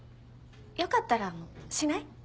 よかったらあのしない？